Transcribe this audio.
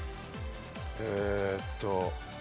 えーっと。